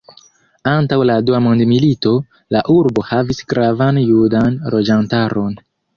Antaŭ la Dua mondmilito, la urbo havis gravan judan loĝantaron.